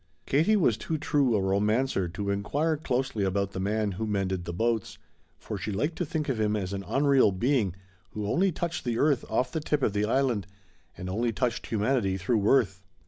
Katie was too true a romancer to inquire closely about the man who mended the boats, for she liked to think of him as an unreal being who only touched the earth off the tip of the Island, and only touched humanity through Worth.